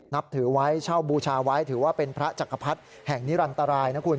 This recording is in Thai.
นับถือไว้เช่าบูชาไว้ถือว่าเป็นพระจักรพรรดิแห่งนิรันตรายนะคุณ